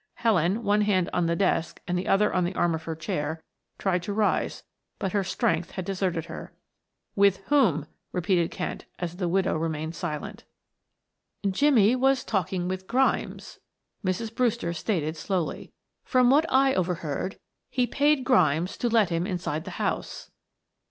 Helen, one hand on the desk and the other on the arm of her chair, tried to rise, but her strength had deserted her. "With whom?" repeated Kent as the widow remained silent. "Jimmie was talking with Grimes," Mrs. Brewster stated slowly. "From what I overheard, he paid Grimes to let him inside the house."